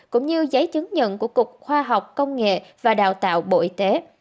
cũng như giấy chứng nhận của cục khoa học công nghệ và đào tạo bộ y tế